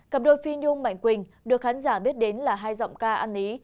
cặp đôi phi nhung mạnh quỳnh được khán giả biết đến là hai giọng ca ăn ý